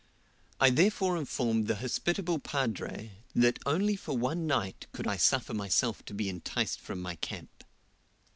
I therefore informed the hospitable Padre, that only for one night could I suffer myself to be enticed from my camp.